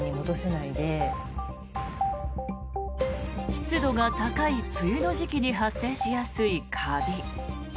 湿度が高い梅雨の時期に発生しやすいカビ。